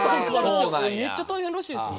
めっちゃ大変らしいですよ。